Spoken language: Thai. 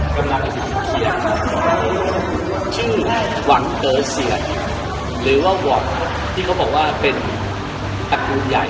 กำลังอยู่ที่เฮียชื่อหวังเต๋อเสียหรือว่าหวังที่เขาบอกว่าเป็นตระกูลใหญ่